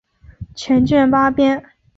全卷八编。